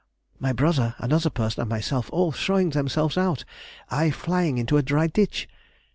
My brother, another person, and myself all throwing themselves out, I flying into a dry ditch.